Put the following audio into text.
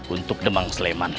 untuk demang sleman